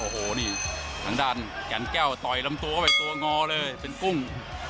โอ้โหนี่ทางด้านแก่นแก้วต่อยลำตัวเข้าไปตัวงอเลยเป็นกุ้ง